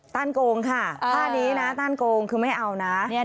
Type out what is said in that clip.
โกงค่ะท่านี้นะต้านโกงคือไม่เอานะ